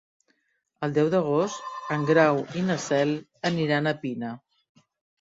El deu d'agost en Grau i na Cel aniran a Pina.